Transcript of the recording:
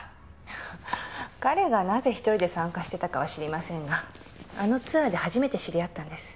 彼がなぜ１人で参加してたかは知りませんがあのツアーで初めて知り合ったんです。